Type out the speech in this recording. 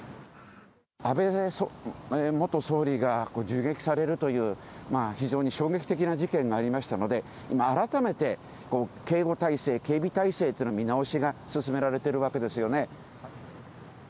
安倍元総理が銃撃されるという、非常に衝撃的な事件がありましたので、改めて、警護体制、警備態勢っていうのの見直しが進められているわけですよね。